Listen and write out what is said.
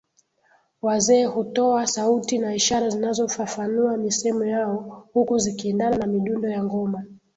Wazee hutowa sauti na ishara zinazofafanua misemo yao huku zikiendana na midundo ya ngoma